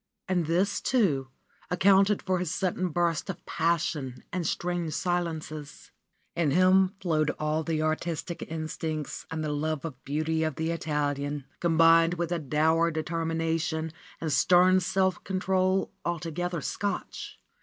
And this, too, accounted for his sudden bursts of passion and strange silences. In him flowed all the artistic instincts and the love of beauty of the Italian, combined with a dour determination and stern self control altogether Scotch.